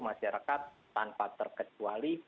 masyarakat tanpa terkecuali